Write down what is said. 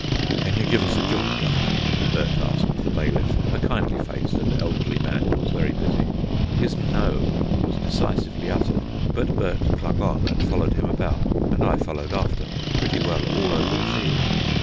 "Can yer give us a job, governor?" Bert asked the bailiff, a kindly faced and elderly man who was very busy. His "No" was decisively uttered; but Bert clung on and followed him about, and I followed after, pretty well all over the field.